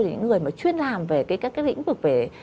những người chuyên làm về các lĩnh vực